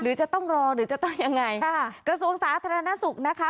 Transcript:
หรือจะต้องรอหรือจะต้องยังไงค่ะกระทรวงสาธารณสุขนะคะ